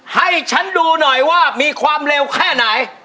ให้ฉันดูหน่อยว่ามีความเร็วแค่ไหน